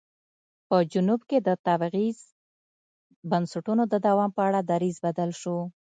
په جنوب کې د تبعیض بنسټونو د دوام په اړه دریځ بدل شو.